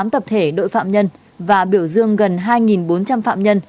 tám mươi tám tập thể đội phạm nhân và biểu dương gần hai bốn trăm linh phạm nhân